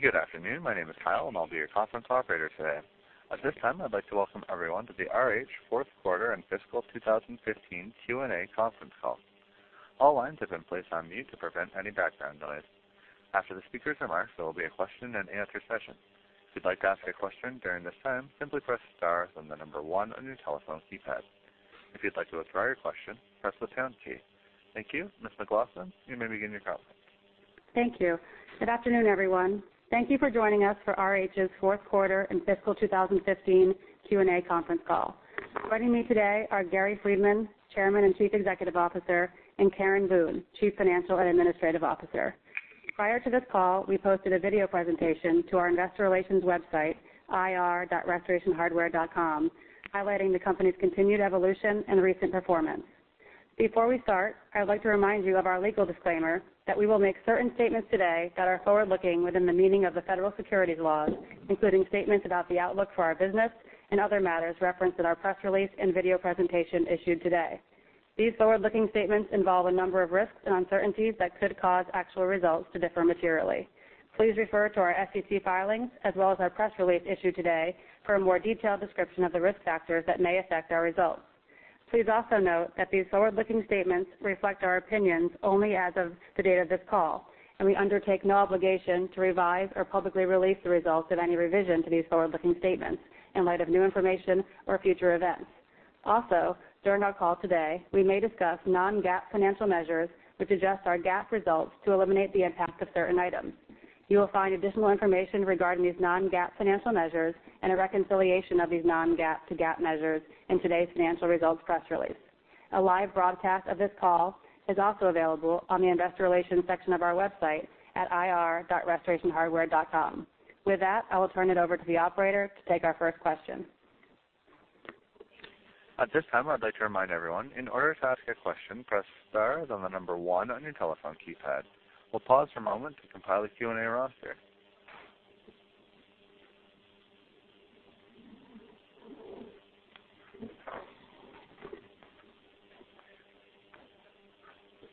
Good afternoon. My name is Kyle, and I'll be your conference operator today. At this time, I'd like to welcome everyone to the RH Fourth Quarter and Fiscal 2015 Q&A Conference Call. All lines have been placed on mute to prevent any background noise. After the speakers' remarks, there will be a question and answer session. If you'd like to ask a question during this time, simply press star then the number one on your telephone keypad. If you'd like to withdraw your question, press the pound key. Thank you. Ms. McLaughlin, you may begin your conference. Thank you. Good afternoon, everyone. Thank you for joining us for RH's Fourth Quarter and Fiscal 2015 Q&A conference call. Joining me today are Gary Friedman, Chairman and Chief Executive Officer, and Karen Boone, Chief Financial and Administrative Officer. Prior to this call, we posted a video presentation to our investor relations website, ir.restorationhardware.com, highlighting the company's continued evolution and recent performance. Before we start, I would like to remind you of our legal disclaimer that we will make certain statements today that are forward-looking within the meaning of the federal securities laws, including statements about the outlook for our business and other matters referenced in our press release and video presentation issued today. These forward-looking statements involve a number of risks and uncertainties that could cause actual results to differ materially. Please refer to our SEC filings as well as our press release issued today for a more detailed description of the risk factors that may affect our results. Please also note that these forward-looking statements reflect our opinions only as of the date of this call, and we undertake no obligation to revise or publicly release the results of any revision to these forward-looking statements in light of new information or future events. Also, during our call today, we may discuss non-GAAP financial measures, which adjust our GAAP results to eliminate the impact of certain items. You will find additional information regarding these non-GAAP financial measures and a reconciliation of these non-GAAP to GAAP measures in today's financial results press release. A live broadcast of this call is also available on the investor relations section of our website at ir.restorationhardware.com. With that, I will turn it over to the operator to take our first question. At this time, I'd like to remind everyone, in order to ask a question, press star, then the number one on your telephone keypad. We'll pause for a moment to compile a Q&A roster.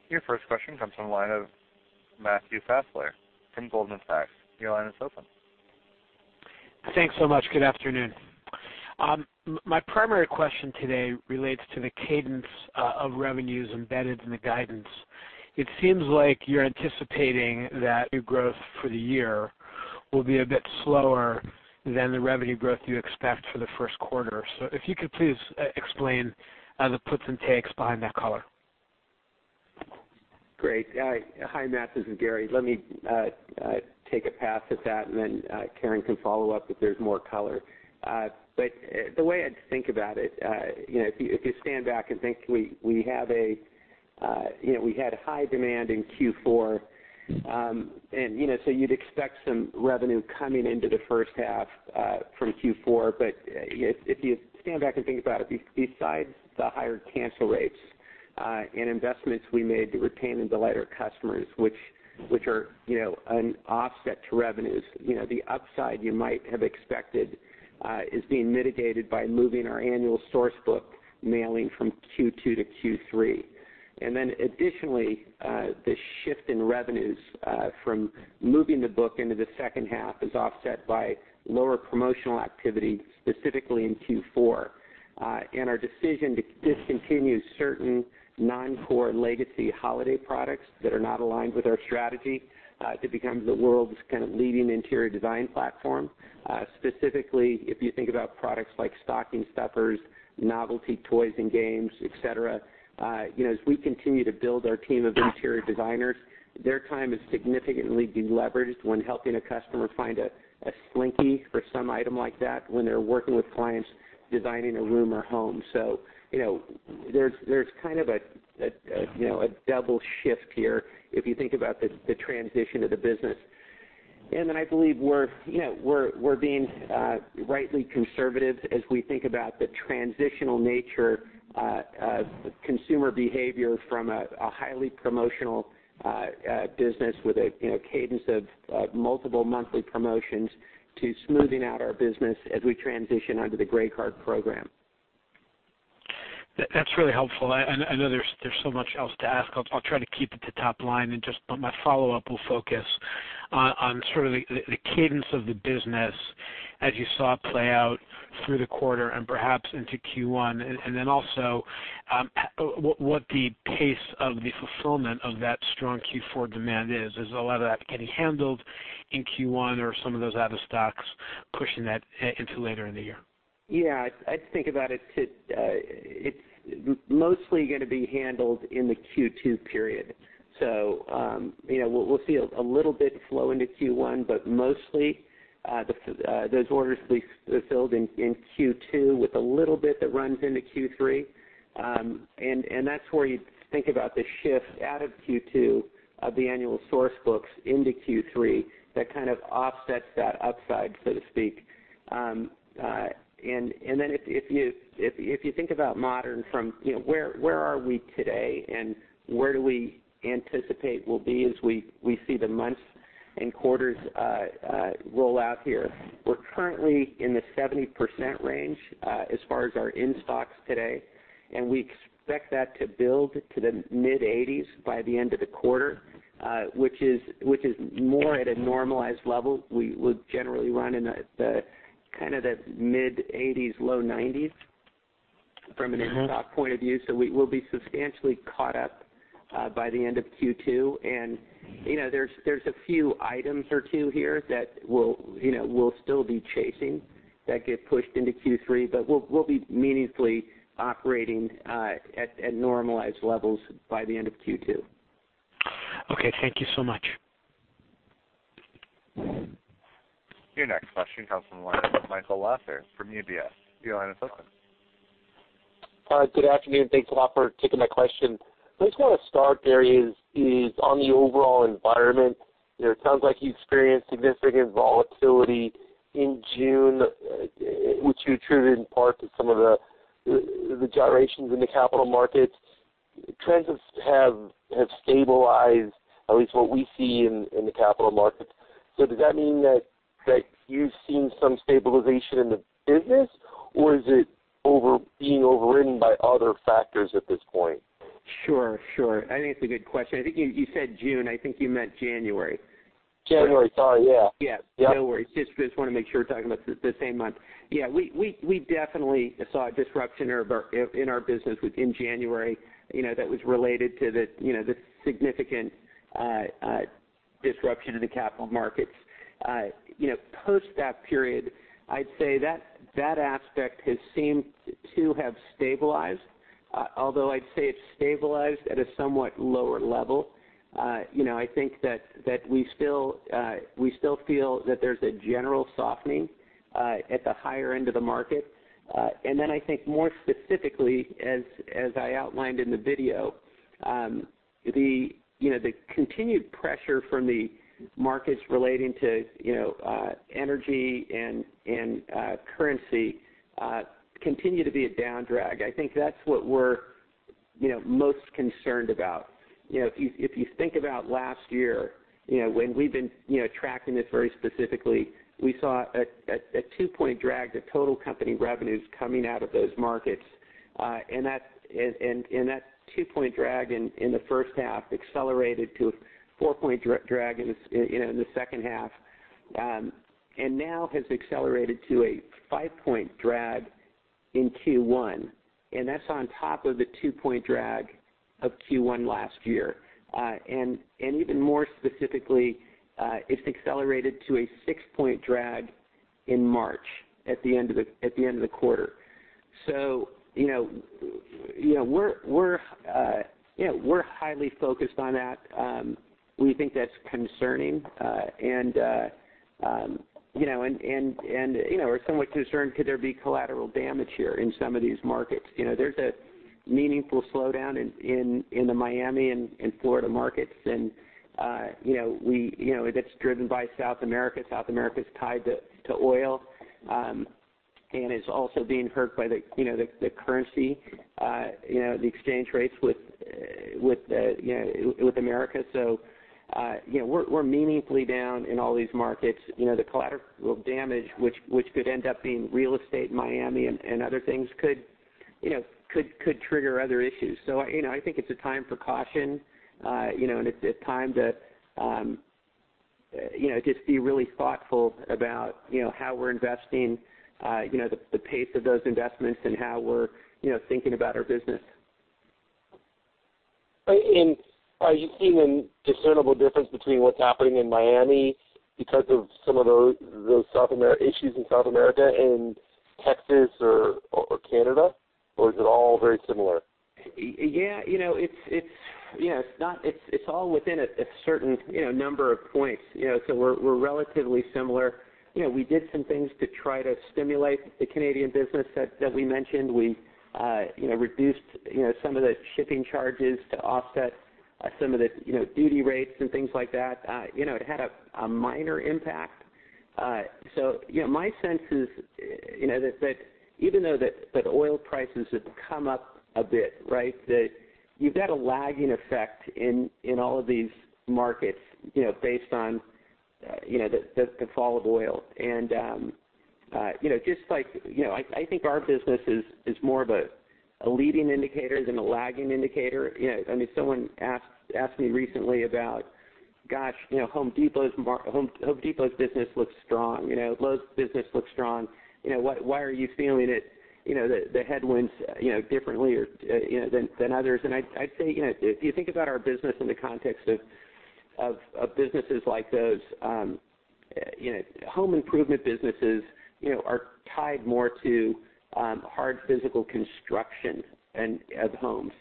Your first question comes from the line of Matthew Fassler from Goldman Sachs. Your line is open. Thanks so much. Good afternoon. My primary question today relates to the cadence of revenues embedded in the guidance. It seems like you're anticipating that your growth for the year will be a bit slower than the revenue growth you expect for the first quarter. If you could please explain the puts and takes behind that color. Great. Hi, Matt. This is Gary. Let me take a pass at that, and then Karen can follow up if there's more color. The way I'd think about it, if you stand back and think, we had high demand in Q4, so you'd expect some revenue coming into the first half from Q4. If you stand back and think about it, besides the higher cancel rates and investments we made to retain and delight our customers, which are an offset to revenues, the upside you might have expected is being mitigated by moving our annual source book mailing from Q2 to Q3. Additionally, the shift in revenues from moving the book into the second half is offset by lower promotional activity, specifically in Q4. Our decision to discontinue certain non-core legacy holiday products that are not aligned with our strategy to become the world's leading interior design platform. Specifically, if you think about products like stocking stuffers, novelty toys and games, et cetera. As we continue to build our team of interior designers, their time is significantly de-leveraged when helping a customer find a Slinky or some item like that when they're working with clients designing a room or home. There's kind of a double shift here if you think about the transition of the business. I believe we're being rightly conservative as we think about the transitional nature of consumer behavior from a highly promotional business with a cadence of multiple monthly promotions to smoothing out our business as we transition onto the Grey Card program. That's really helpful. I know there's so much else to ask. I'll try to keep it to top line and just my follow-up will focus on sort of the cadence of the business as you saw it play out through the quarter and perhaps into Q1, and then also what the pace of the fulfillment of that strong Q4 demand is. Is a lot of that getting handled in Q1 or some of those out of stocks pushing that into later in the year? Yeah. I think about it's mostly going to be handled in the Q2 period. We'll see a little bit flow into Q1, but mostly those orders will be fulfilled in Q2 with a little bit that runs into Q3. That's where you think about the shift out of Q2 of the annual source books into Q3 that kind of offsets that upside, so to speak. If you think about Modern from where are we today and where do we anticipate we'll be as we see the months and quarters roll out here. We're currently in the 70% range as far as our in-stocks today, and we expect that to build to the mid-80s by the end of the quarter, which is more at a normalized level. We would generally run in the mid-80s, low 90s from an in-stock point of view. We will be substantially caught up by the end of Q2. There's a few items or two here that we'll still be chasing that get pushed into Q3, but we'll be meaningfully operating at normalized levels by the end of Q2. Okay. Thank you so much. Your next question comes from the line of Michael Lasser from UBS. Your line is open. Good afternoon. Thanks a lot for taking my question. Place where I want to start, Gary, is on the overall environment. It sounds like you experienced significant volatility in June, which you attributed in part to some of the gyrations in the capital markets. Trends have stabilized, at least what we see in the capital markets. Does that mean that you've seen some stabilization in the business, or is it being overridden by other factors at this point? Sure. I think it's a good question. I think you said June. I think you meant January. January. Sorry, yeah. Yeah. Yeah. No worries. Just want to make sure we're talking about the same month. We definitely saw a disruption in our business in January, that was related to the significant disruption in the capital markets. Post that period, I'd say that aspect has seemed to have stabilized, although I'd say it's stabilized at a somewhat lower level. I think that we still feel that there's a general softening at the higher end of the market. I think more specifically, as I outlined in the video, the continued pressure from the markets relating to energy and currency continue to be a down drag. I think that's what we're most concerned about. If you think about last year, when we've been tracking this very specifically, we saw a two-point drag to total company revenues coming out of those markets. That two-point drag in the first half accelerated to a four-point drag in the second half. Now has accelerated to a five-point drag in Q1, and that's on top of the two-point drag of Q1 last year. Even more specifically, it's accelerated to a six-point drag in March at the end of the quarter. We're highly focused on that. We think that's concerning, and we're somewhat concerned could there be collateral damage here in some of these markets? There's a meaningful slowdown in the Miami and Florida markets, and that's driven by South America. South America's tied to oil, and it's also being hurt by the currency, the exchange rates with America. We're meaningfully down in all these markets. The collateral damage, which could end up being real estate in Miami and other things could trigger other issues. I think it's a time for caution, and it's a time to just be really thoughtful about how we're investing, the pace of those investments, and how we're thinking about our business. Are you seeing a discernible difference between what's happening in Miami because of some of those issues in South America and Texas or Canada? Is it all very similar? Yeah. It's all within a certain number of points. We're relatively similar. We did some things to try to stimulate the Canadian business that we mentioned. We reduced some of the shipping charges to offset some of the duty rates and things like that. It had a minor impact. My sense is that even though that oil prices have come up a bit, right? That you've got a lagging effect in all of these markets based on the fall of oil. I think our business is more of a leading indicator than a lagging indicator. Someone asked me recently about, gosh, The Home Depot's business looks strong. Lowe's business looks strong. Why are you feeling it, the headwinds differently than others? I'd say, if you think about our business in the context of businesses like those. Home improvement businesses are tied more to hard physical construction of homes.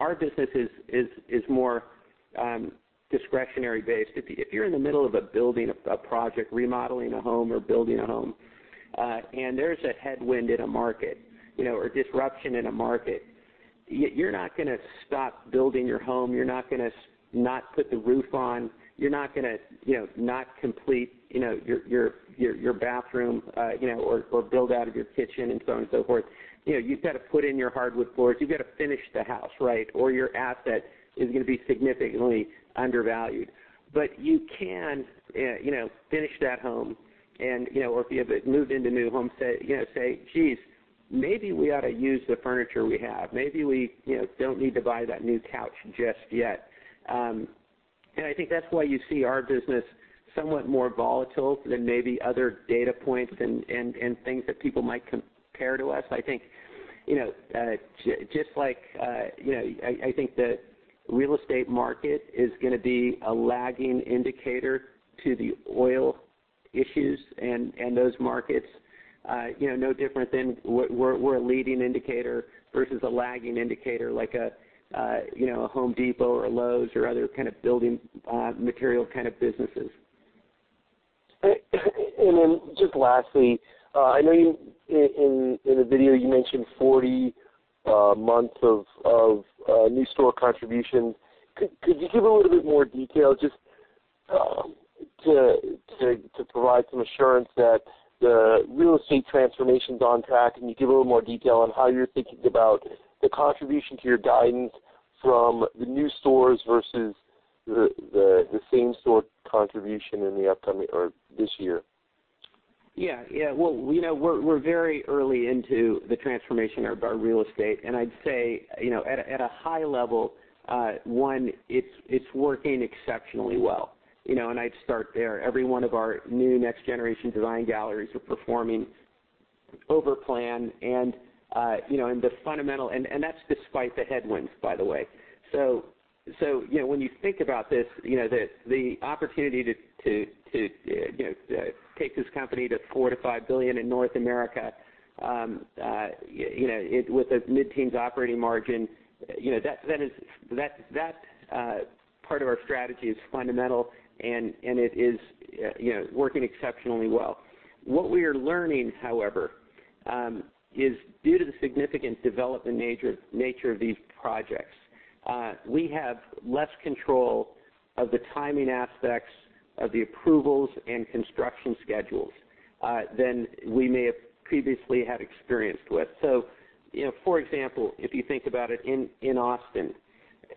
Our business is more discretionary based. If you're in the middle of a building, a project, remodeling a home, or building a home, and there's a headwind in a market, or disruption in a market, you're not going to stop building your home. You're not going to not put the roof on. You're not going to not complete your bathroom or build out of your kitchen and so on and so forth. You've got to put in your hardwood floors. You've got to finish the house, right? Or your asset is going to be significantly undervalued. But you can finish that home and or if you have moved into new homes, say, "Geez, maybe we ought to use the furniture we have. Maybe we don't need to buy that new couch just yet. I think that's why you see our business somewhat more volatile than maybe other data points and things that people might compare to us. I think the real estate market is going to be a lagging indicator to the oil issues and those markets. No different than we're a leading indicator versus a lagging indicator like a The Home Depot or Lowe's or other kind of building material kind of businesses. Just lastly, I know in the video you mentioned 40 months of new store contributions. Could you give a little bit more detail just to provide some assurance that the real estate transformation's on track, and you give a little more detail on how you're thinking about the contribution to your guidance from the new stores versus the same store contribution this year? We are very early into the transformation of our real estate. I would say, at a high level, it is working exceptionally well. I would start there. Every one of our new next generation design galleries are performing over plan and that is despite the headwinds, by the way. When you think about this, the opportunity to take this company to $4 billion-$5 billion in North America with a mid-teens operating margin, that part of our strategy is fundamental, and it is working exceptionally well. What we are learning, however, is due to the significant development nature of these projects, we have less control of the timing aspects of the approvals and construction schedules than we may have previously had experience with. For example, if you think about it in Austin,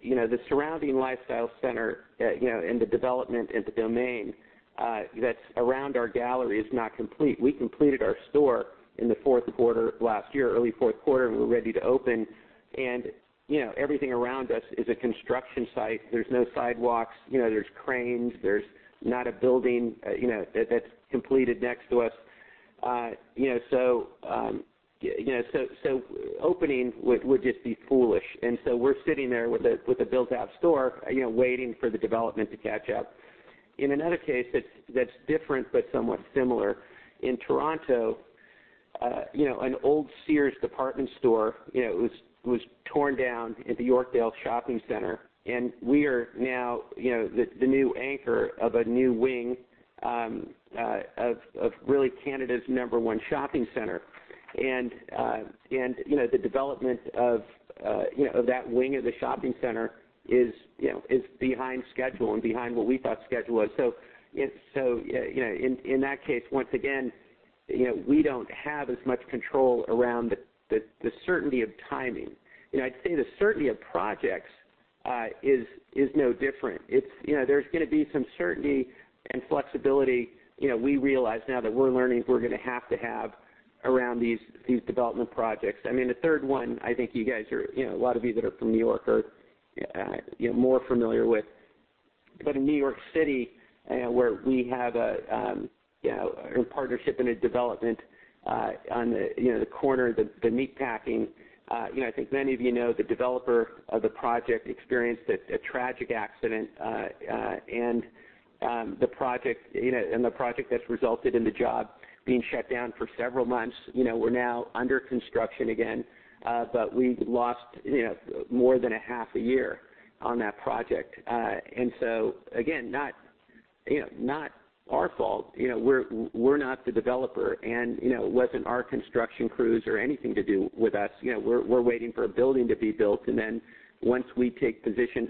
the surrounding lifestyle center and the development and The Domain that is around our gallery is not complete. We completed our store in the fourth quarter last year, early fourth quarter, and we are ready to open and everything around us is a construction site. There are no sidewalks. There are cranes. There is not a building that is completed next to us. Opening would just be foolish. We are sitting there with a built-out store, waiting for the development to catch up. In another case that is different but somewhat similar, in Toronto, an old Sears department store was torn down at the Yorkdale Shopping Center, and we are now the new anchor of a new wing of really Canada's number 1 shopping center. The development of that wing of the shopping center is behind schedule and behind what we thought schedule was. In that case, once again, we do not have as much control around the certainty of timing. I would say the certainty of projects is no different. There is going to be some certainty and flexibility, we realize now that we are learning we are going to have to have around these development projects. The third one, I think a lot of you that are from N.Y. are more familiar with. In N.Y. City, where we have a partnership and a development on the corner of the Meatpacking, I think many of you know, the developer of the project experienced a tragic accident, and the project that is resulted in the job being shut down for several months. We are now under construction again, but we lost more than a half a year on that project. Again, not our fault. We are not the developer, and it was not our construction crews or anything to do with us. We are waiting for a building to be built, and then once we take possession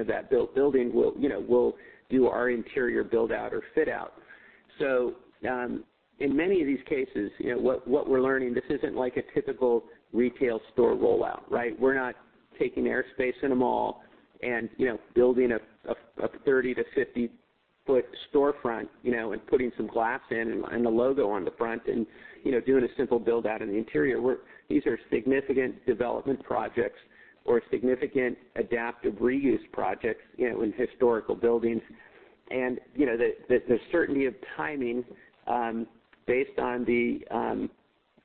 of that building, we will do our interior build-out or fit-out. In many of these cases, what we are learning, this is not like a typical retail store rollout, right? We are not taking airspace in a mall and building a 30-50-foot storefront, and putting some glass in and a logo on the front and doing a simple build-out in the interior. These are significant development projects or significant adaptive reuse projects in historical buildings. The certainty of timing based on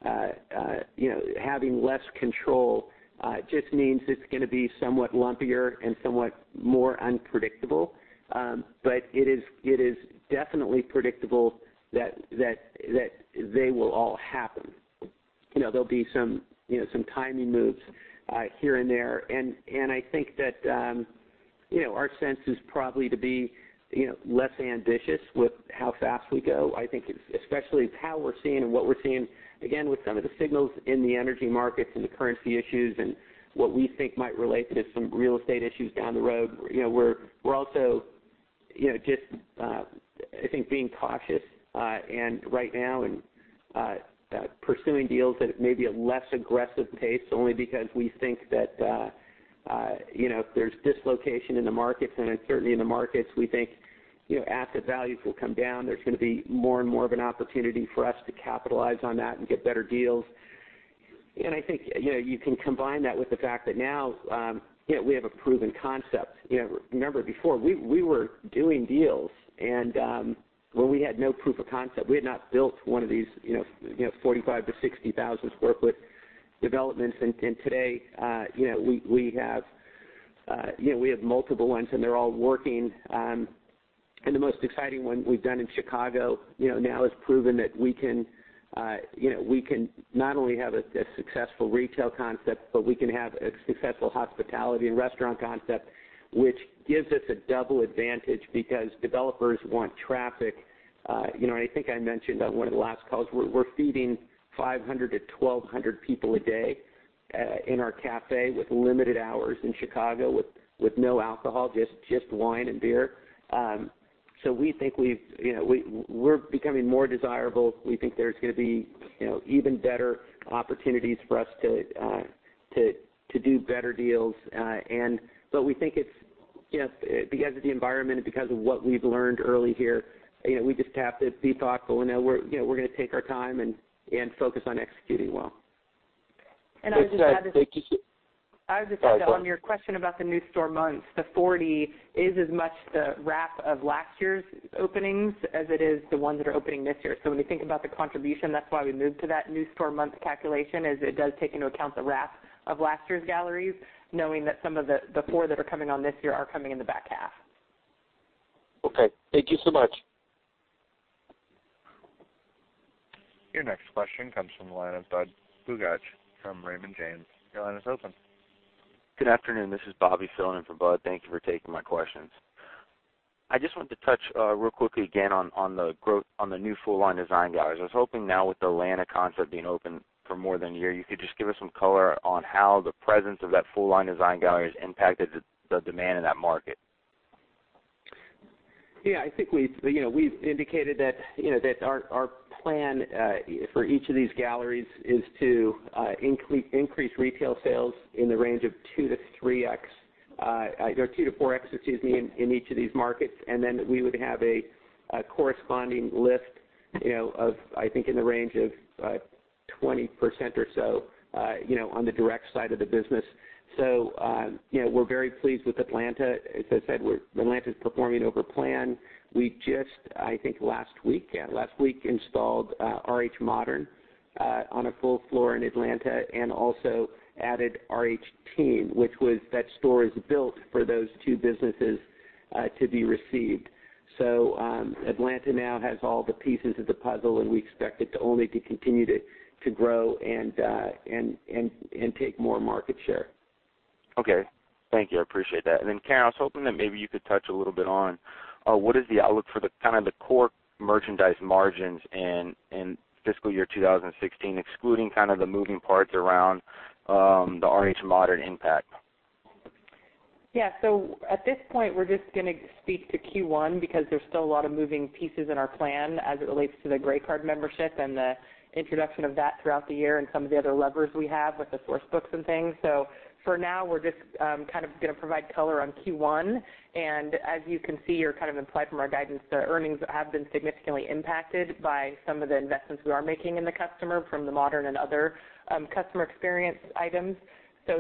having less control just means it is going to be somewhat lumpier and somewhat more unpredictable. It is definitely predictable that they will all happen. I think that our sense is probably to be less ambitious with how fast we go. I think especially with how we're seeing and what we're seeing, again, with some of the signals in the energy markets and the currency issues and what we think might relate to some real estate issues down the road. We're also just, I think, being cautious right now and pursuing deals at maybe a less aggressive pace, only because we think that if there's dislocation in the markets, and certainly in the markets, we think asset values will come down. There's going to be more and more of an opportunity for us to capitalize on that and get better deals. I think you can combine that with the fact that now we have a proven concept. Remember before, we were doing deals and when we had no proof of concept, we had not built one of these 45-60,000 square foot developments. Today we have multiple ones and they're all working. The most exciting one we've done in Chicago now has proven that we can not only have a successful retail concept, but we can have a successful hospitality and restaurant concept, which gives us a double advantage because developers want traffic. I think I mentioned on one of the last calls, we're feeding 500 people-1,200 people a day in our cafe with limited hours in Chicago with no alcohol, just wine and beer. We think we're becoming more desirable. We think there's going to be even better opportunities for us to do better deals. We think it's because of the environment and because of what we've learned early here, we just have to be thoughtful and we're going to take our time and focus on executing well. I would just add. Yes. Thank you. Sorry, go on. I would just add on your question about the new store months, the 40 is as much the wrap of last year's openings as it is the ones that are opening this year. When we think about the contribution, that's why we moved to that new store month calculation, is it does take into account the wrap of last year's galleries, knowing that some of the four that are coming on this year are coming in the back half. Okay. Thank you so much. Your next question comes from the line of Budd Bugatch from Raymond James. Your line is open. Good afternoon. This is Bobby filling in for Budd. Thank you for taking my questions. I just wanted to touch real quickly again on the new full-line design galleries. I was hoping now with the Atlanta concept being open for more than a year, you could just give us some color on how the presence of that full-line design gallery has impacted the demand in that market. I think we've indicated that our plan for each of these galleries is to increase retail sales in the range of 2x-3x, or 2x-4x, excuse me, in each of these markets. Then we would have a corresponding lift of I think in the range of 20% or so on the direct side of the business. We're very pleased with Atlanta. As I said, Atlanta's performing over plan. We just, I think last week, yeah, last week installed RH Modern on a full floor in Atlanta and also added RH Teen, which was that store is built for those two businesses to be received. Atlanta now has all the pieces of the puzzle, and we expect it only continue to grow and take more market share. Okay. Thank you. I appreciate that. Karen, I was hoping that maybe you could touch a little bit on what is the outlook for the core merchandise margins in fiscal year 2016, excluding the moving parts around the RH Modern impact? So at this point, we're just going to speak to Q1 because there's still a lot of moving pieces in our plan as it relates to the RH Grey Card membership and the introduction of that throughout the year and some of the other levers we have with the Source Books and things. For now, we're just going to provide color on Q1. As you can see or imply from our guidance, the earnings have been significantly impacted by some of the investments we are making in the customer from the Modern and other customer experience items.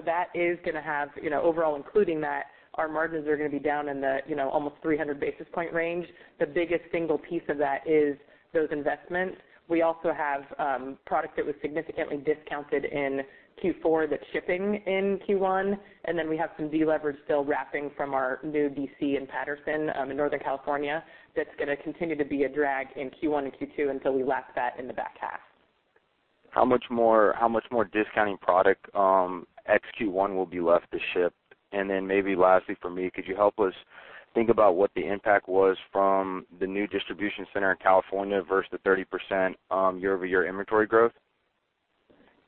That is going to have, overall including that, our margins are going to be down in the almost 300 basis point range. The biggest single piece of that is those investments. We also have product that was significantly discounted in Q4 that's shipping in Q1, and then we have some deleverage still wrapping from our new DC in Patterson in Northern California that's going to continue to be a drag in Q1 and Q2 until we lap that in the back half. How much more discounting product ex Q1 will be left to ship? Maybe lastly for me, could you help us think about what the impact was from the new distribution center in California versus the 30% year-over-year inventory growth?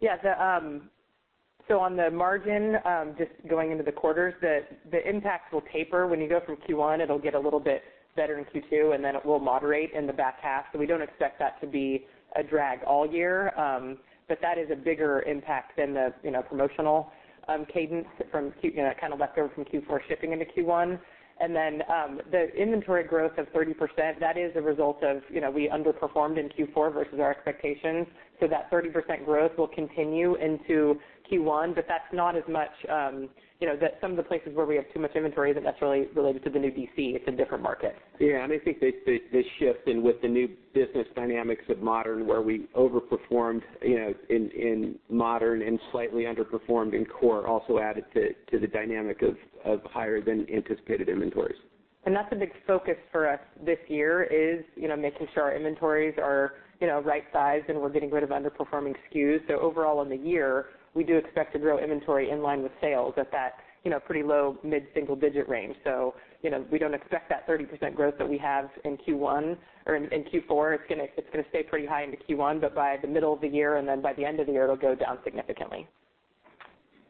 Yeah. On the margin, just going into the quarters, the impacts will taper when you go from Q1, it'll get a little bit better in Q2, and then it will moderate in the back half. We don't expect that to be a drag all year. That is a bigger impact than the promotional cadence leftover from Q4 shipping into Q1. The inventory growth of 30%, that is a result of we underperformed in Q4 versus our expectations. That 30% growth will continue into Q1, but some of the places where we have too much inventory that's really related to the new DC, it's a different market. Yeah, I think the shift in with the new business dynamics of Modern where we overperformed in Modern and slightly underperformed in Core also added to the dynamic of higher than anticipated inventories. That's a big focus for us this year, is making sure our inventories are right-sized and we're getting rid of underperforming SKUs. Overall in the year, we do expect to grow inventory in line with sales at that pretty low mid-single digit range. We don't expect that 30% growth that we have in Q1 or in Q4, it's going to stay pretty high into Q1, but by the middle of the year and then by the end of the year, it'll go down significantly.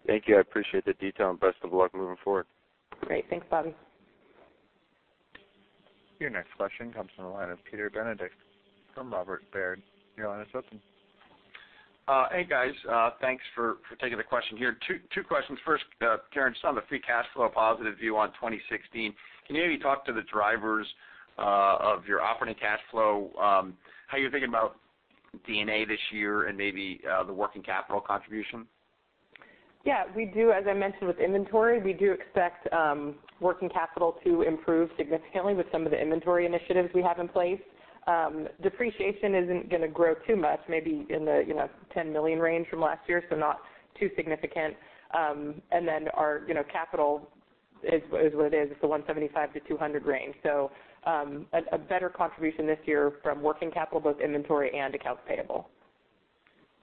Thank you. I appreciate the detail and best of luck moving forward. Great. Thanks, Bobby. Your next question comes from the line of Peter Benedict from Robert W. Baird. Your line is open. Hey, guys. Thanks for taking the question here. Two questions. First, Karen, saw the free cash flow positive view on 2016. Can you maybe talk to the drivers of your operating cash flow, how you're thinking about D&A this year, and maybe the working capital contribution? Yeah, as I mentioned with inventory, we do expect working capital to improve significantly with some of the inventory initiatives we have in place. Depreciation isn't going to grow too much, maybe in the $10 million range from last year, not too significant. Our capital is what it is. It's the $175-$200 range. A better contribution this year from working capital, both inventory and accounts payable.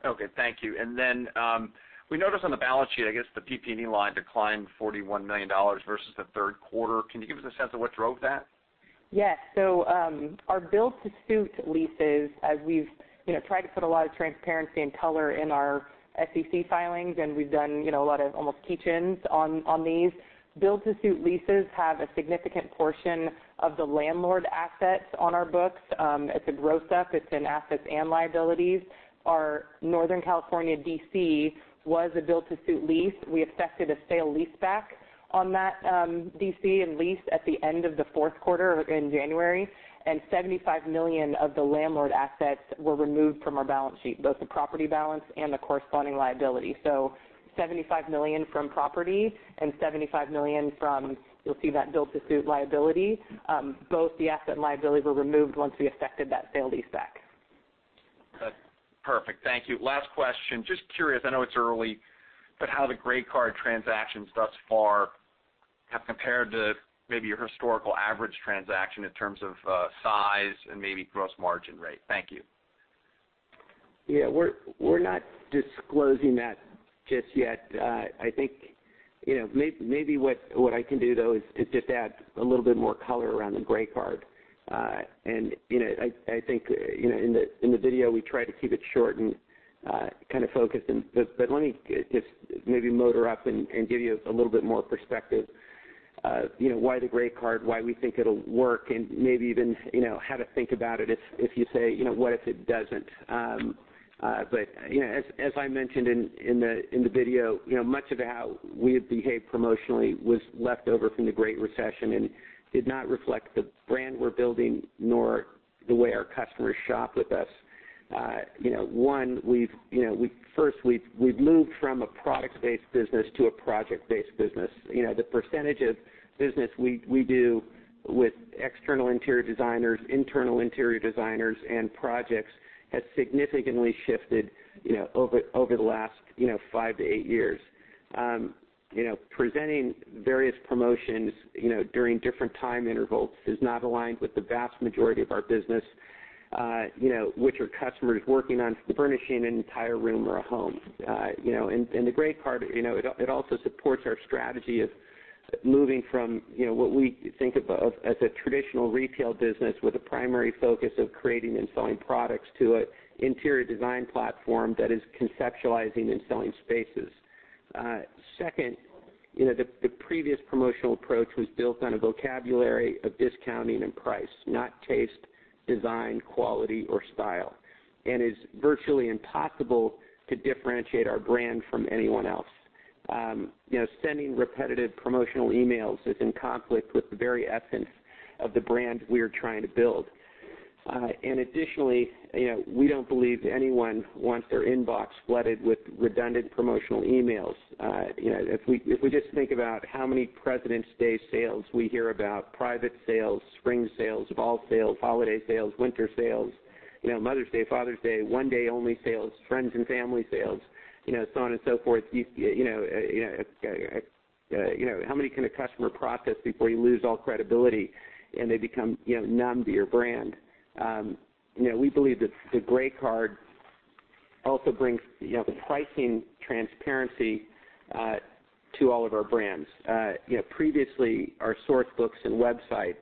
Okay, thank you. We noticed on the balance sheet, I guess, the PP&E line declined $41 million versus the third quarter. Can you give us a sense of what drove that? Yes. Our build-to-suit leases, as we've tried to put a lot of transparency and color in our SEC filings, and we've done a lot of almost 8-Ks on these. Build-to-suit leases have a significant portion of the landlord assets on our books. It's a gross up. It's in assets and liabilities. Our Northern California DC was a build-to-suit lease. We affected a sale-leaseback on that DC and leased at the end of the fourth quarter or in January, and $75 million of the landlord assets were removed from our balance sheet, both the property balance and the corresponding liability. $75 million from property and $75 million from, you'll see that build-to-suit liability. Both the asset and liability were removed once we affected that sale-leaseback. That's perfect. Thank you. Last question. Just curious, I know it's early, but how the RH Grey Card transactions thus far have compared to maybe your historical average transaction in terms of size and maybe gross margin rate. Thank you. Yeah, we're not disclosing that just yet. I think maybe what I can do, though, is to just add a little bit more color around the RH Grey Card. I think in the video, we try to keep it short and focused, but let me just maybe motor up and give you a little bit more perspective why the RH Grey Card, why we think it'll work, and maybe even how to think about it if you say, "What if it doesn't?" As I mentioned in the video, much of how we have behaved promotionally was left over from the Great Recession and did not reflect the brand we're building, nor the way our customers shop with us. One, first, we've moved from a product-based business to a project-based business. The percentage of business we do with external interior designers, internal interior designers, and projects has significantly shifted over the last five to eight years. Presenting various promotions during different time intervals is not aligned with the vast majority of our business, which are customers working on furnishing an entire room or a home. The RH Grey Card, it also supports our strategy of moving from what we think of as a traditional retail business with a primary focus of creating and selling products to an interior design platform that is conceptualizing and selling spaces. Second, the previous promotional approach was built on a vocabulary of discounting and price, not taste, design, quality, or style. It's virtually impossible to differentiate our brand from anyone else. Sending repetitive promotional emails is in conflict with the very essence of the brand we are trying to build. Additionally, we don't believe anyone wants their inbox flooded with redundant promotional emails. If we just think about how many Presidents' Day sales we hear about, private sales, spring sales, fall sales, holiday sales, winter sales, Mother's Day, Father's Day, one day only sales, friends and family sales, so on and so forth. How many can a customer process before you lose all credibility and they become numb to your brand? We believe that the RH Grey Card also brings the pricing transparency to all of our brands. Previously, our source books and website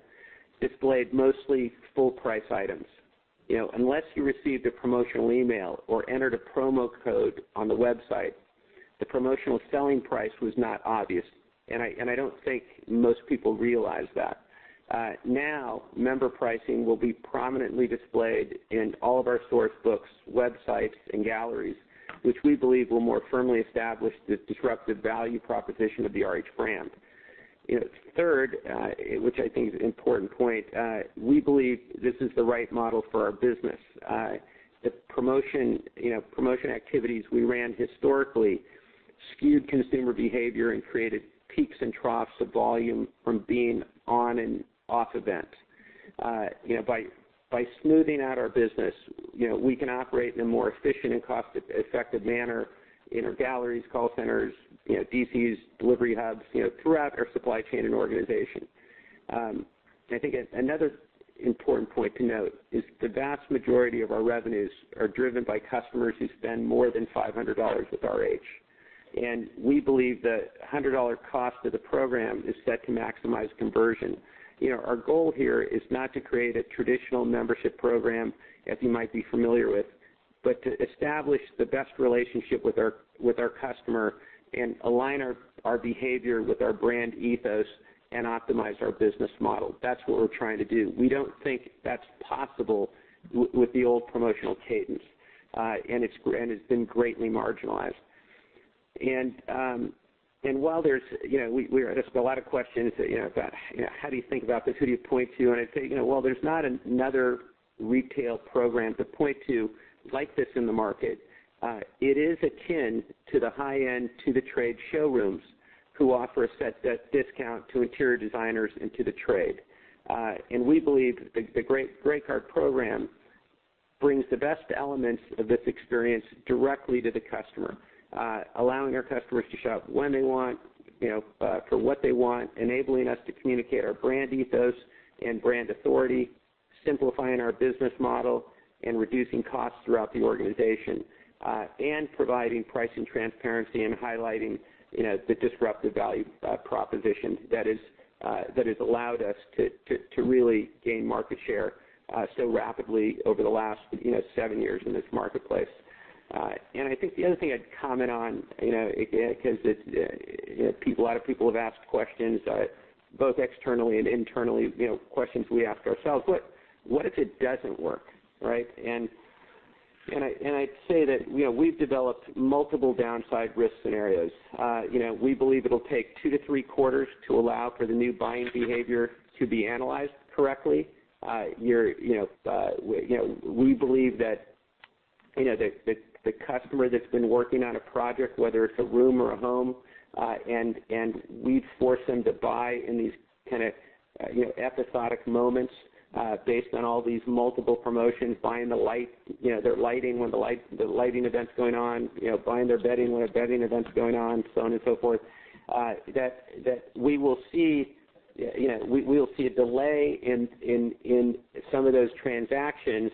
displayed mostly full price items. Unless you received a promotional email or entered a promo code on the website, the promotional selling price was not obvious. I don't think most people realize that. Now, member pricing will be prominently displayed in all of our source books, websites, and galleries, which we believe will more firmly establish the disruptive value proposition of the RH brand. Third, which I think is an important point, we believe this is the right model for our business. The promotion activities we ran historically skewed consumer behavior and created peaks and troughs of volume from being on and off events. By smoothing out our business, we can operate in a more efficient and cost-effective manner in our galleries, call centers, DCs, delivery hubs, throughout our supply chain and organization. I think another important point to note is the vast majority of our revenues are driven by customers who spend more than $500 with RH, and we believe the $100 cost of the program is set to maximize conversion. Our goal here is not to create a traditional membership program as you might be familiar with. To establish the best relationship with our customer and align our behavior with our brand ethos and optimize our business model. That's what we're trying to do. We don't think that's possible with the old promotional cadence. It's been greatly marginalized. We addressed a lot of questions about, how do you think about this? Who do you point to? I'd say, well, there's not another retail program to point to like this in the market. It is akin to the high-end, to the trade showrooms who offer a set discount to interior designers and to the trade. We believe the Grey Card program brings the best elements of this experience directly to the customer, allowing our customers to shop when they want, for what they want, enabling us to communicate our brand ethos and brand authority, simplifying our business model, and reducing costs throughout the organization. Providing price and transparency and highlighting the disruptive value proposition that has allowed us to really gain market share so rapidly over the last seven years in this marketplace. I think the other thing I'd comment on, because a lot of people have asked questions, both externally and internally, questions we ask ourselves, what if it doesn't work, right? I'd say that we've developed multiple downside risk scenarios. We believe it'll take two to three quarters to allow for the new buying behavior to be analyzed correctly. We believe that the customer that's been working on a project, whether it's a room or a home, and we've forced them to buy in these kind of episodic moments, based on all these multiple promotions, buying their lighting when the lighting event's going on, buying their bedding when a bedding event's going on, so on and so forth, that we will see a delay in some of those transactions,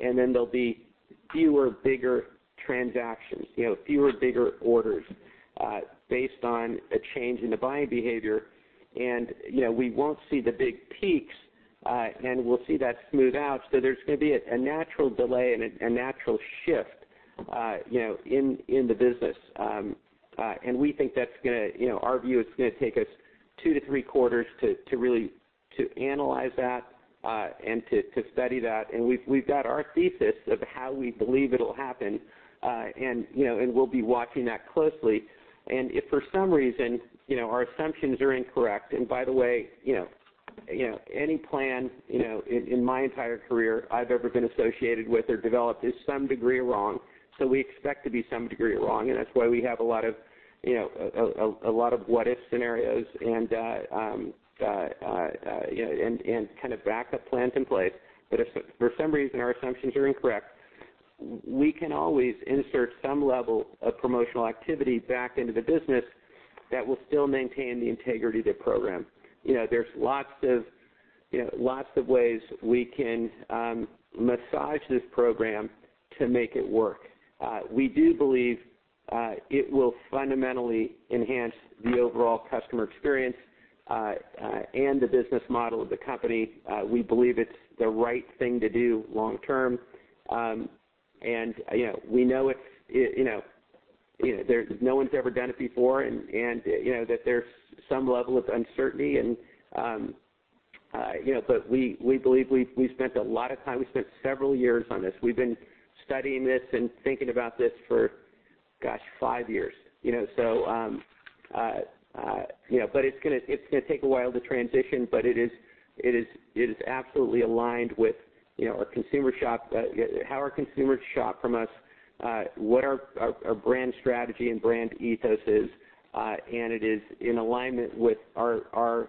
and then there'll be fewer, bigger transactions, fewer, bigger orders, based on a change in the buying behavior. We won't see the big peaks, and we'll see that smooth out. There's going to be a natural delay and a natural shift in the business. Our view, it's going to take us two to three quarters to analyze that, and to study that. We've got our thesis of how we believe it'll happen, we'll be watching that closely. If for some reason, our assumptions are incorrect, and by the way, any plan, in my entire career I've ever been associated with or developed is some degree wrong. We expect to be some degree wrong, and that's why we have a lot of what if scenarios and kind of backup plans in place. If for some reason our assumptions are incorrect, we can always insert some level of promotional activity back into the business that will still maintain the integrity of the program. There's lots of ways we can massage this program to make it work. We do believe it will fundamentally enhance the overall customer experience, and the business model of the company. We believe it's the right thing to do long term. No one's ever done it before and that there's some level of uncertainty. We believe we've spent a lot of time, we spent several years on this. We've been studying this and thinking about this for, gosh, five years. It's going to take a while to transition, it is absolutely aligned with how our consumers shop from us, what our brand strategy and brand ethos is, and it is in alignment with our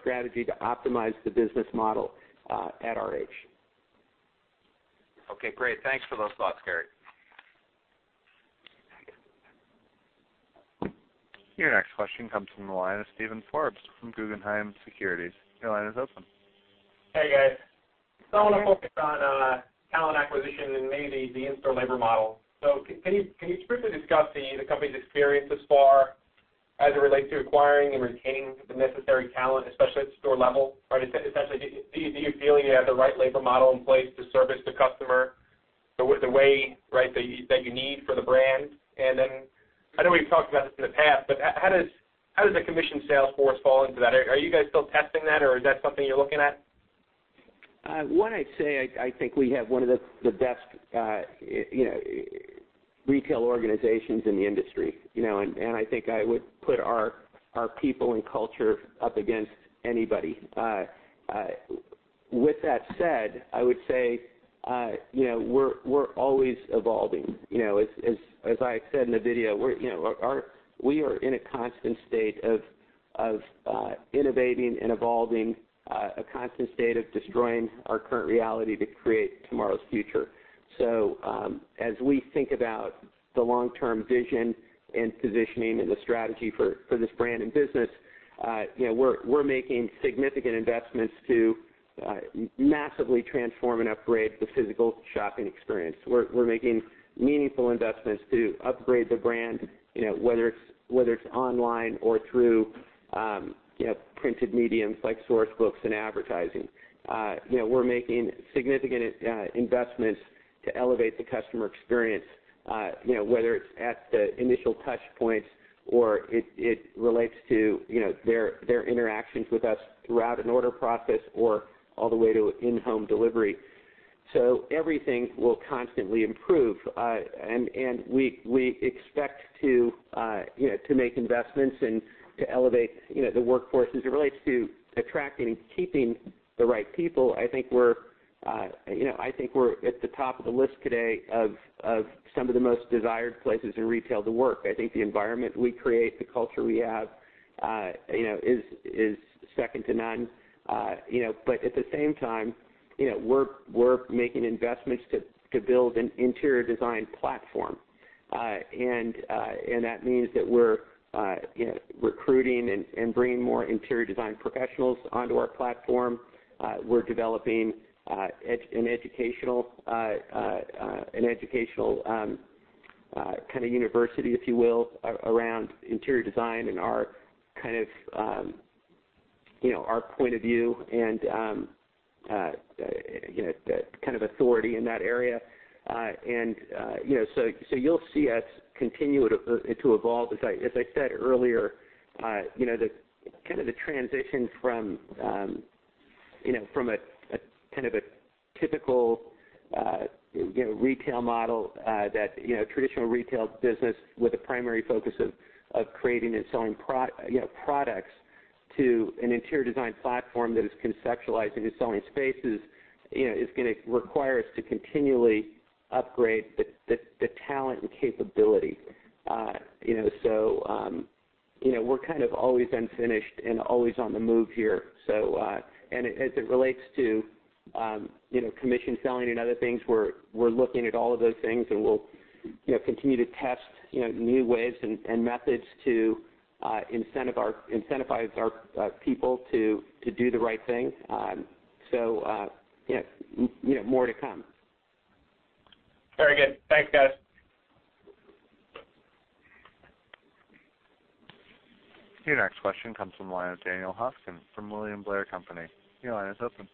strategy to optimize the business model at RH. Okay, great. Thanks for those thoughts, Gary. Your next question comes from the line of Steven Forbes from Guggenheim Securities. Your line is open. Hey, guys. I want to focus on talent acquisition and maybe the in-store labor model. Can you briefly discuss the company's experience thus far as it relates to acquiring and retaining the necessary talent, especially at the store level, right? Essentially, do you feel you have the right labor model in place to service the customer the way that you need for the brand? I know we've talked about this in the past, but how does the commission sales force fall into that? Are you guys still testing that, or is that something you're looking at? What I'd say, I think we have one of the best retail organizations in the industry, and I think I would put our people and culture up against anybody. With that said, I would say, we're always evolving. As I said in the video, we are in a constant state of innovating and evolving, a constant state of destroying our current reality to create tomorrow's future. As we think about the long-term vision and positioning and the strategy for this brand and business, we're making significant investments to massively transform and upgrade the physical shopping experience. We're making meaningful investments to upgrade the brand, whether it's online or through printed mediums like source books and advertising. We're making significant investments to elevate the customer experience, whether it's at the initial touch points or it relates to their interactions with us throughout an order process or all the way to in-home delivery. Everything will constantly improve. We expect to make investments and to elevate the workforce as it relates to attracting and keeping the right people. I think we're at the top of the list today of some of the most desired places in retail to work. I think the environment we create, the culture we have is second to none. At the same time, we're making investments to build an interior design platform. That means that we're recruiting and bringing more interior design professionals onto our platform. We're developing an educational kind of university, if you will, around interior design and our point of view and the kind of authority in that area. You'll see us continue to evolve. As I said earlier, the kind of the transition from a kind of a typical retail model that traditional retail business with a primary focus of creating and selling products to an interior design platform that is conceptualizing and selling spaces is going to require us to continually upgrade the talent and capability. We're kind of always unfinished and always on the move here. As it relates to commission selling and other things, we're looking at all of those things, and we'll continue to test new ways and methods to incentivize our people to do the right thing. More to come. Very good. Thanks, guys. Your next question comes from the line of Daniel Hoskins from William Blair & Company. Your line is open.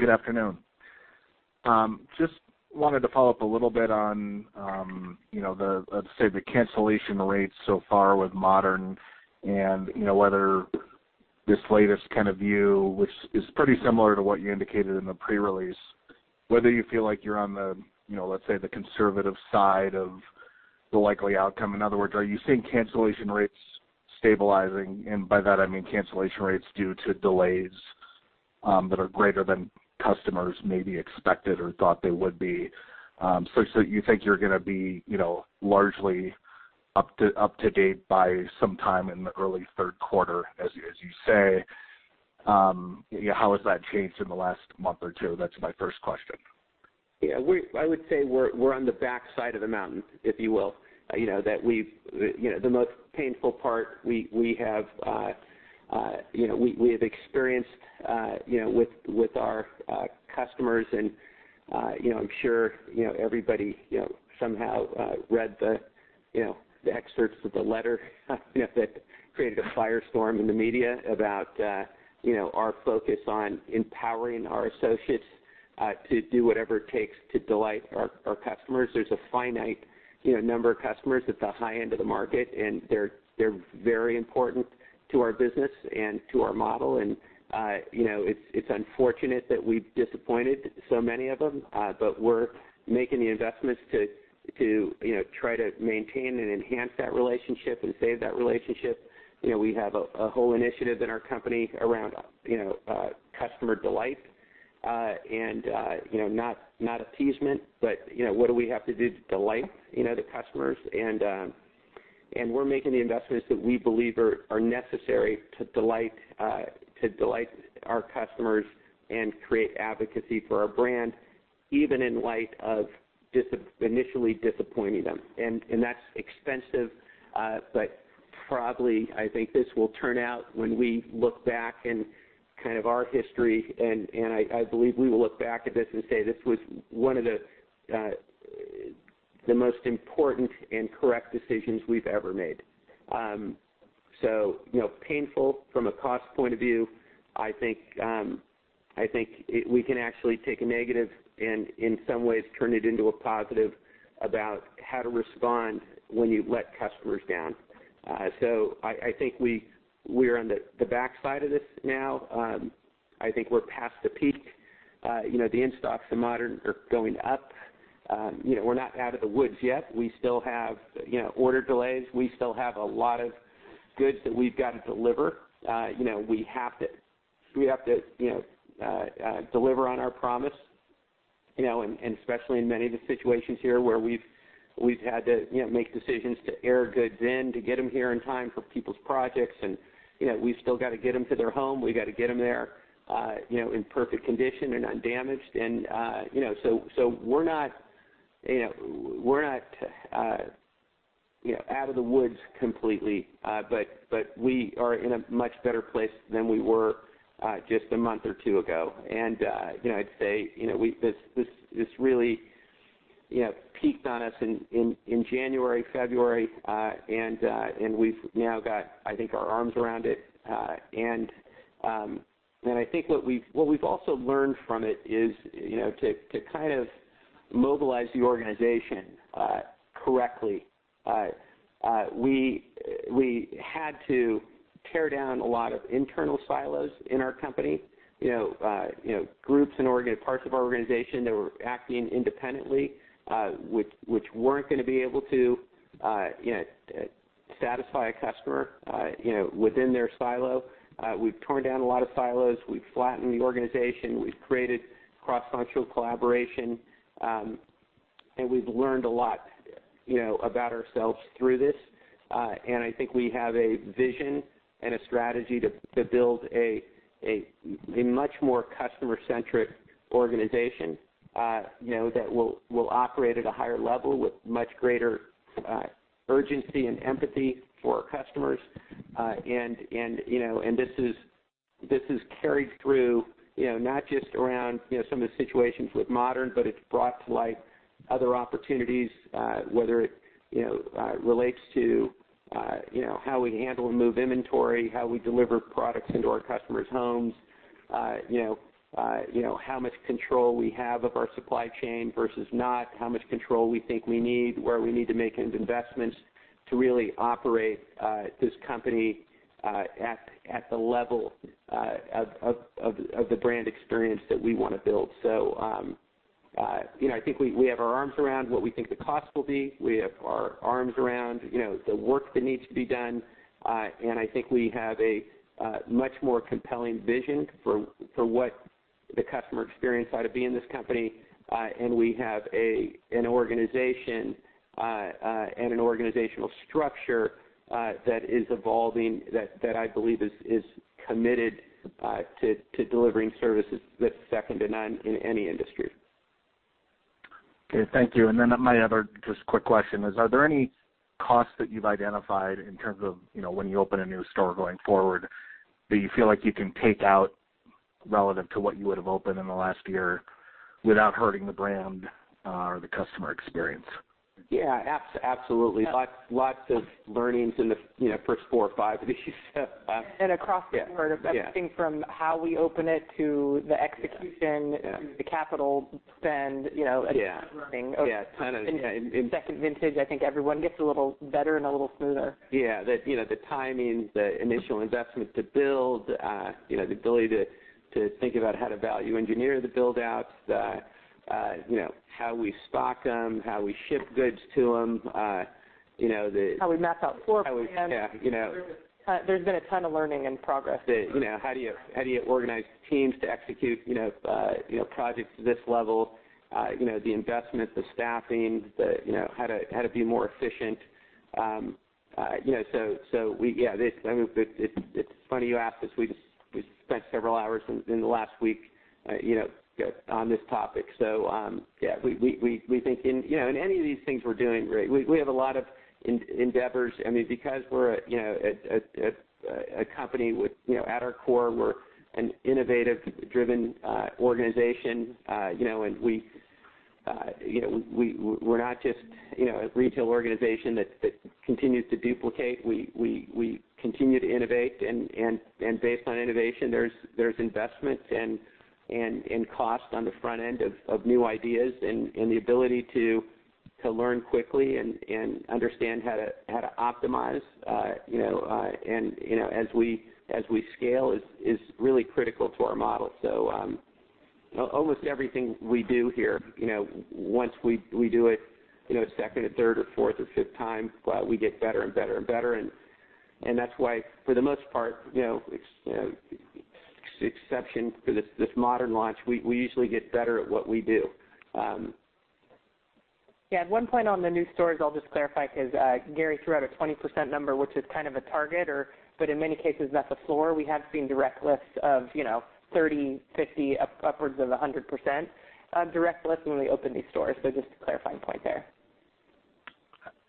Good afternoon. Just wanted to follow up a little bit on the, let's say, the cancellation rates so far with Modern and whether this latest kind of view, which is pretty similar to what you indicated in the pre-release, whether you feel like you're on the, let's say, the conservative side of the likely outcome. In other words, are you seeing cancellation rates stabilizing? By that I mean cancellation rates due to delays that are greater than customers maybe expected or thought they would be. You think you're going to be largely up to date by sometime in the early third quarter, as you say. How has that changed in the last month or two? That's my first question. Yeah, I would say we're on the backside of the mountain, if you will. The most painful part we have experienced with our customers and I'm sure everybody somehow read the excerpts of the letter that created a firestorm in the media about our focus on empowering our associates to do whatever it takes to delight our customers. There's a finite number of customers at the high end of the market. They're very important to our business and to our model. It's unfortunate that we've disappointed so many of them. We're making the investments to try to maintain and enhance that relationship and save that relationship. We have a whole initiative in our company around Customer Delight. Not appeasement, but what do we have to do to delight the customers? We're making the investments that we believe are necessary to delight our customers and create advocacy for our brand, even in light of initially disappointing them. That's expensive. Probably, I think this will turn out when we look back in kind of our history and I believe we will look back at this and say, "This was one of the most important and correct decisions we've ever made." Painful from a cost point of view. I think we can actually take a negative and in some ways turn it into a positive about how to respond when you let customers down. I think we are on the backside of this now. I think we're past the peak. The in-stocks of Modern are going up. We're not out of the woods yet. We still have order delays. We still have a lot of goods that we've got to deliver. We have to deliver on our promise, and especially in many of the situations here where we've had to make decisions to air goods in to get them here in time for people's projects. We've still got to get them to their home. We got to get them there in perfect condition and undamaged. We're not out of the woods completely. We are in a much better place than we were just a month or two ago. I'd say this really peaked on us in January, February, and we've now got, I think, our arms around it. I think what we've also learned from it is to mobilize the organization correctly. We had to tear down a lot of internal silos in our company. Groups and parts of our organization that were acting independently, which weren't going to be able to satisfy a customer within their silo. We've torn down a lot of silos. We've flattened the organization. We've created cross-functional collaboration. We've learned a lot about ourselves through this. I think we have a vision and a strategy to build a much more customer-centric organization, that will operate at a higher level with much greater urgency and empathy for our customers. This is carried through, not just around some of the situations with Modern, but it's brought to light other opportunities, whether it relates to how we handle and move inventory, how we deliver products into our customers' homes. How much control we have of our supply chain versus not, how much control we think we need, where we need to make investments to really operate this company at the level of the brand experience that we want to build. I think we have our arms around what we think the cost will be. We have our arms around the work that needs to be done. I think we have a much more compelling vision for what the customer experience ought to be in this company. We have an organization and an organizational structure that is evolving, that I believe is committed to delivering services that's second to none in any industry. Okay. Thank you. Then my other just quick question is, are there any costs that you've identified in terms of when you open a new store going forward that you feel like you can take out relative to what you would have opened in the last year without hurting the brand or the customer experience? Yeah. Absolutely. Lots of learnings in the first four or five of these. across the board. Yeah everything from how we open it to the execution. Yeah the capital spend- Yeah just running. Yeah. Second vintage, I think everyone gets a little better and a little smoother. Yeah. The timings, the initial investment to build, the ability to think about how to value engineer the build-outs, how we stock them, how we ship goods to them. How we map out floor plans. Yeah. There's been a ton of learning and progress. How do you organize teams to execute projects of this level, the investment, the staffing, how to be more efficient. Yeah, it's funny you ask this. We just spent several hours in the last week on this topic. Yeah. In any of these things we're doing, we have a lot of endeavors. We're a company with, at our core, we're an innovative driven organization, and we're not just a retail organization that continues to duplicate. We continue to innovate and based on innovation, there's investment and cost on the front end of new ideas and the ability to learn quickly and understand how to optimize as we scale is really critical to our model. Almost everything we do here, once we do it a second or third or fourth or fifth time, we get better and better and better. That's why for the most part, exception for this Modern launch, we usually get better at what we do. One point on the new stores, I'll just clarify because Gary threw out a 20% number, which is kind of a target, but in many cases that's a floor. We have seen direct lifts of 30%, 50%, upwards of 100% direct lifts when we open these stores. Just a clarifying point there.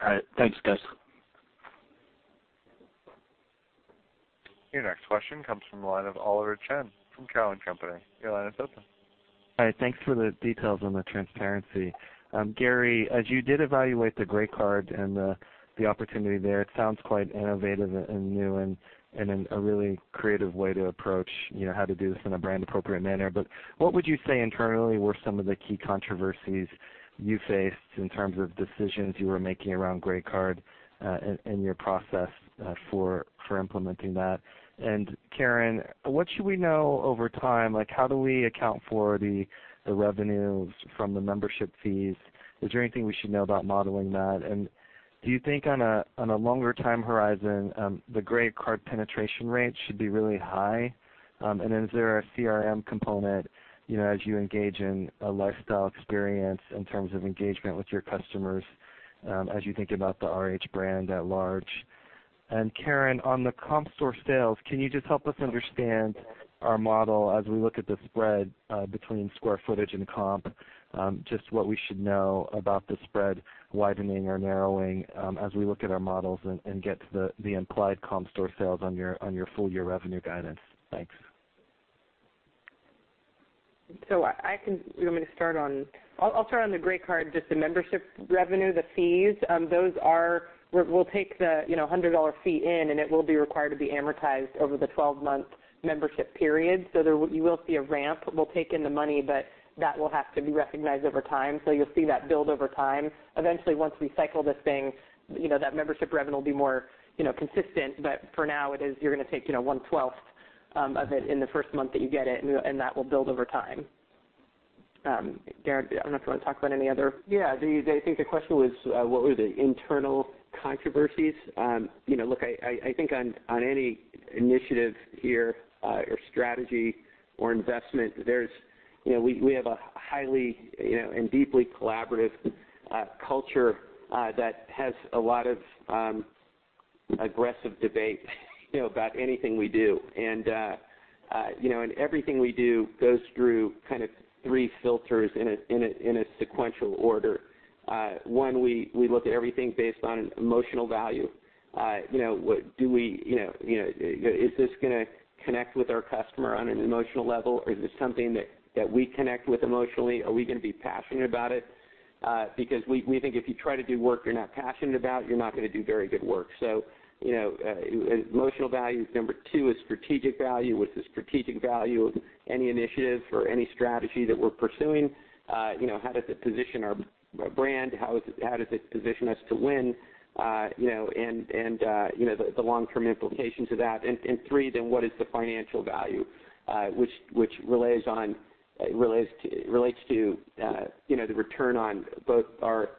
All right. Thanks, guys. Your next question comes from the line of Oliver Chen from Cowen and Company. Your line is open. Hi. Thanks for the details on the transparency. Gary, as you did evaluate the Grey Card and the opportunity there, it sounds quite innovative and new, and a really creative way to approach how to do this in a brand appropriate manner. What would you say internally were some of the key controversies you faced in terms of decisions you were making around Grey Card, in your process for implementing that? Karen, what should we know over time, like how do we account for the revenues from the membership fees? Is there anything we should know about modeling that? Do you think on a longer time horizon, the Grey Card penetration rate should be really high? Is there a CRM component as you engage in a lifestyle experience in terms of engagement with your customers, as you think about the RH brand at large? Karen, on the comp store sales, can you just help us understand our model as we look at the spread between square footage and comp, just what we should know about the spread widening or narrowing as we look at our models and get to the implied comp store sales on your full year revenue guidance. Thanks. You want me to start on the Grey Card, just the membership revenue, the fees. We'll take the $100 fee in, it will be required to be amortized over the 12-month membership period. You will see a ramp. We'll take in the money, that will have to be recognized over time. You'll see that build over time. Eventually, once we cycle this thing, that membership revenue will be more consistent. For now, you're going to take one twelfth of it in the first month that you get it, that will build over time. Gary, I don't know if you want to talk about any other- I think the question was, what were the internal controversies? I think on any initiative here, or strategy or investment, we have a highly and deeply collaborative culture that has a lot of aggressive debate about anything we do. Everything we do goes through three filters in a sequential order. One, we look at everything based on emotional value. Is this going to connect with our customer on an emotional level? Is this something that we connect with emotionally? Are we going to be passionate about it? Because we think if you try to do work you're not passionate about, you're not going to do very good work. Emotional value. Number two is strategic value. What's the strategic value of any initiative or any strategy that we're pursuing? How does it position our brand? How does it position us to win, and the long-term implications of that. Three, what is the financial value, which relates to the return on both our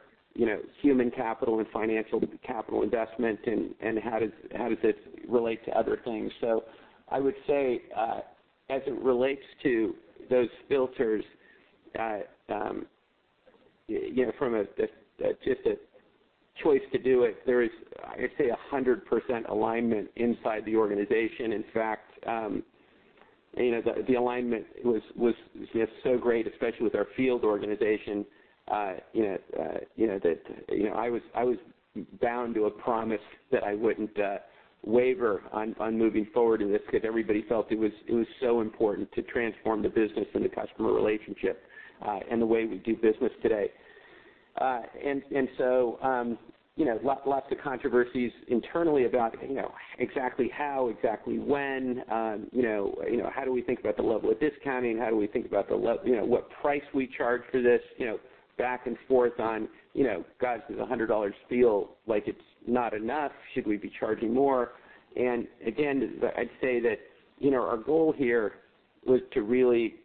human capital and financial capital investment, and how does this relate to other things? I would say, as it relates to those filters, from just a choice to do it, there is, I'd say, 100% alignment inside the organization. In fact, the alignment was so great, especially with our field organization, that I was bound to a promise that I wouldn't waver on moving forward in this, because everybody felt it was so important to transform the business and the customer relationship, and the way we do business today. Lots of controversies internally about exactly how, exactly when. How do we think about the level of discounting? How do we think about what price we charge for this? Back and forth on, guys, does $100 feel like it's not enough? Should we be charging more? Again, I'd say that our goal here was to really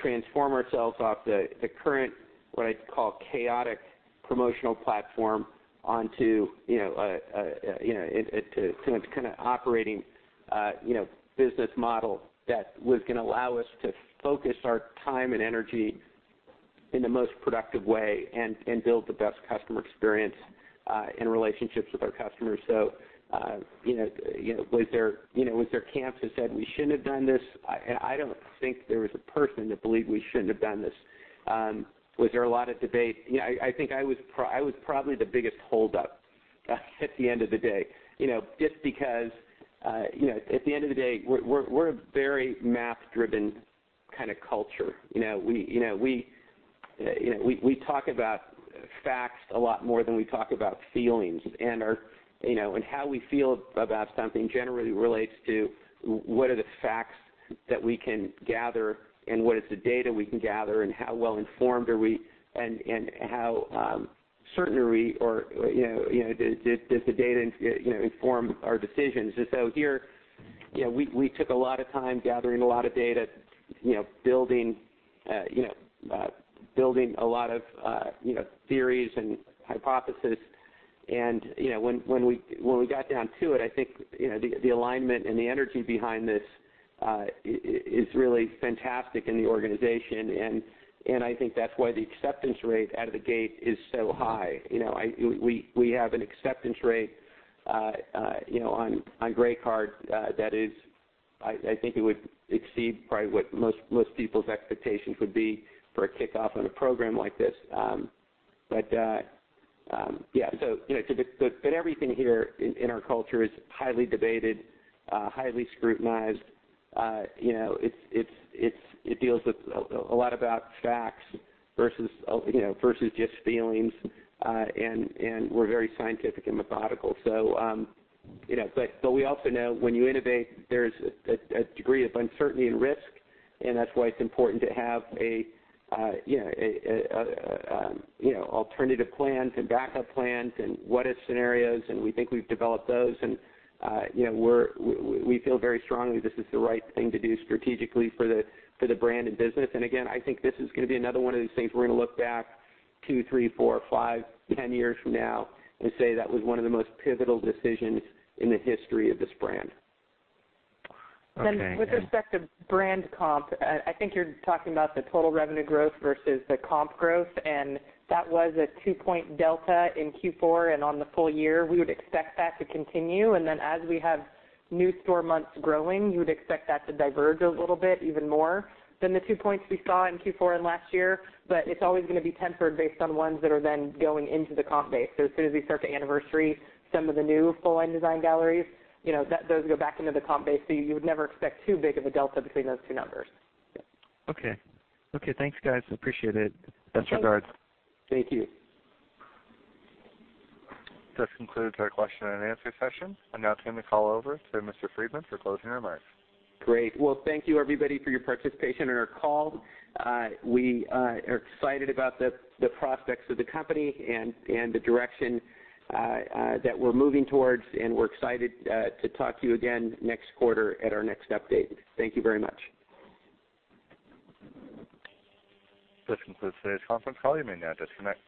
transform ourselves off the current, what I'd call chaotic promotional platform, onto an operating business model that was going to allow us to focus our time and energy in the most productive way and build the best customer experience and relationships with our customers. Was there camps that said we shouldn't have done this? I don't think there was a person that believed we shouldn't have done this. Was there a lot of debate? I think I was probably the biggest hold-up at the end of the day, just because at the end of the day, we're a very math-driven culture. We talk about facts a lot more than we talk about feelings. How we feel about something generally relates to what are the facts that we can gather, and what is the data we can gather, and how well informed are we, and how certain are we, or does the data inform our decisions? Here, we took a lot of time gathering a lot of data, building a lot of theories and hypothesis. When we got down to it, I think the alignment and the energy behind this is really fantastic in the organization. I think that's why the acceptance rate out of the gate is so high. We have an acceptance rate on Grey Card that I think it would exceed probably what most people's expectations would be for a kickoff on a program like this. Everything here in our culture is highly debated, highly scrutinized. It deals a lot about facts versus just feelings, and we're very scientific and methodical. We also know when you innovate, there's a degree of uncertainty and risk, and that's why it's important to have alternative plans and backup plans and what-if scenarios, and we think we've developed those. We feel very strongly this is the right thing to do strategically for the brand and business. Again, I think this is going to be another one of these things we're going to look back two, three, four, five, 10 years from now and say, "That was one of the most pivotal decisions in the history of this brand. With respect to brand comp, I think you're talking about the total revenue growth versus the comp growth, and that was a two-point delta in Q4 and on the full year. We would expect that to continue. As we have new store months growing, you would expect that to diverge a little bit even more than the two points we saw in Q4 and last year. It's always going to be tempered based on ones that are then going into the comp base. As soon as we start to anniversary some of the new full-line design galleries, those go back into the comp base. You would never expect too big of a delta between those two numbers. Okay. Thanks, guys. Appreciate it. Best regards. Thank you. Thank you. This concludes our question and answer session. I'll now turn the call over to Mr. Friedman for closing remarks. Great. Well, thank you everybody for your participation in our call. We are excited about the prospects of the company and the direction that we're moving towards, and we're excited to talk to you again next quarter at our next update. Thank you very much. This concludes today's conference call. You may now disconnect.